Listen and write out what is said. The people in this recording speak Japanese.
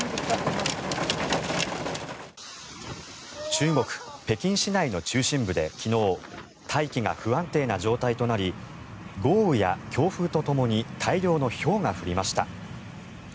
中国・北京市内の中心部で昨日大気が不安定な状態となり豪雨や強風とともに大量のひょうが降りました。